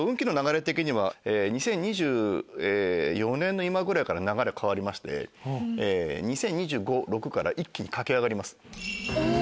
２０２４年の今ぐらいから流れ変わりまして２０２５２０２６から一気に駆け上がります。